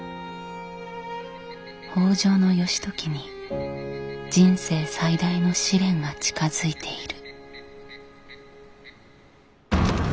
北条義時に人生最大の試練が近づいている。